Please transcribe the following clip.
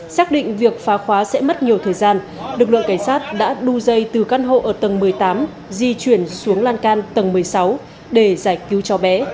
xác định việc phá khóa sẽ mất nhiều thời gian lực lượng cảnh sát đã đu dây từ căn hộ ở tầng một mươi tám di chuyển xuống lan can tầng một mươi sáu để giải cứu cháu bé